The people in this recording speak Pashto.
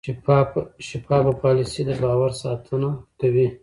شفاف پالیسي د باور ساتنه کوي.